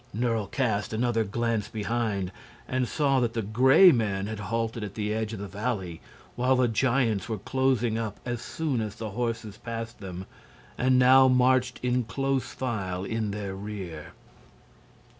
Nerle cast another glance behind, and saw that the Gray Men had halted at the edge of the valley, while the giants were closing up as soon as the horses passed them and now marched in close file in their rear.